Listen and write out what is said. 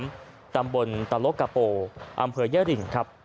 รัคตำบลตะโลกโกโปร์อํ้วยัริ่งครับ